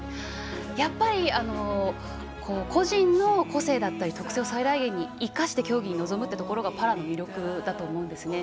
やっぱり個人の個性だったり特性を最大限に生かして競技に臨むってところがパラの魅力だと思うんですね。